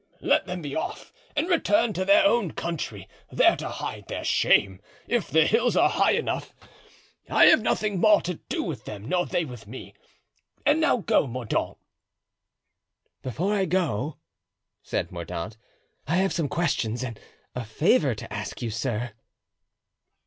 "Let them be off and return to their own country, there to hide their shame, if its hills are high enough; I have nothing more to do with them nor they with me. And now go, Mordaunt." "Before I go," said Mordaunt, "I have some questions and a favor to ask you, sir."